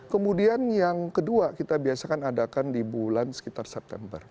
kemudian yang kedua kita biasakan adakan di bulan sekitar september